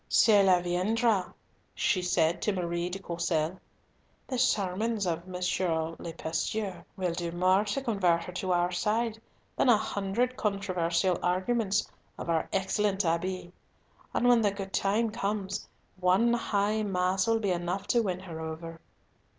"Cela viendra," she said to Marie de Courcelles. "The sermons of M. le Pasteur will do more to convert her to our side than a hundred controversial arguments of our excellent Abbe; and when the good time comes, one High Mass will be enough to win her over."